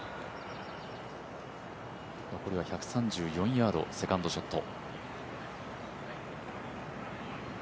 残りは１３４ヤード、セカンドショット。